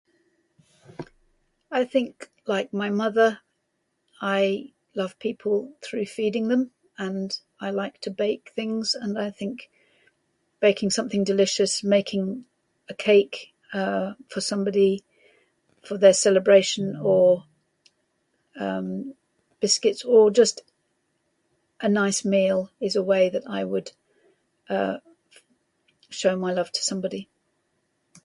I think like my mother: I love people through feeding them. And I like to bake things. And I think baking something delicious, making a cake, uh, for somebody, for their celebration, or, um, biscuits, or just a nice meal is a way that I would, uh, show my love to somebody.